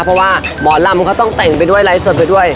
เพราะว่าหมอลำเขาต้องแต่งไปด้วยไลฟ์สดไปด้วย